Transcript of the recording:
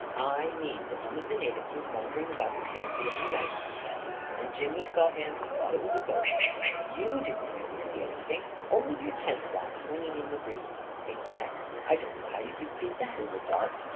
44 I mean that one of the natives was wandering about the camp the other night," I said, * 4 and Jimmy saw him and thought it was a ghost. You didn't really see anything — only your tent flap swinging in the breeze ; in fact, I don't know how you could pee that in the dark